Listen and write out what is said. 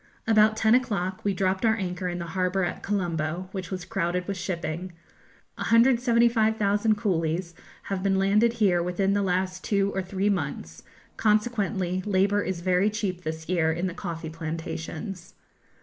About ten o'clock we dropped our anchor in the harbour at Colombo, which was crowded with shipping. 175,000 coolies have been landed here within the last two or three months; consequently labour is very cheap this year in the coffee plantations.